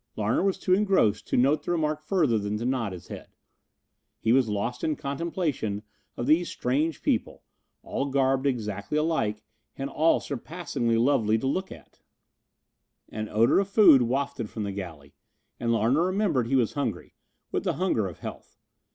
Larner was too engrossed to note the remark further than to nod his head. He was lost in contemplation of these strange people, all garbed exactly alike and all surpassingly lovely to look upon. An odor of food wafted from the galley, and Larner remembered he was hungry, with the hunger of health.